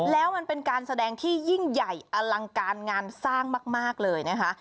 แล้วมันเป็นการแสดงที่ยิ่งใหญ่อลังการงานสร้างมากเลยนะคะ